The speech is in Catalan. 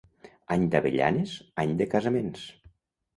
Any d'avellanes, any de casaments.